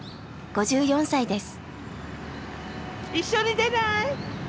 ５４歳です。